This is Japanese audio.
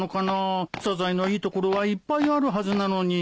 サザエのいいところはいっぱいあるはずなのに。